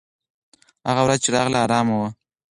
هغه ورځ چې راغله، ارامه وه.